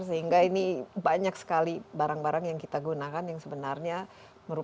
sehingga ini banyak sekali barang barang yang kita gunakan yang sebenarnya merupakan